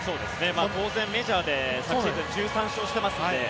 当然、メジャーで昨シーズン１３勝してますので。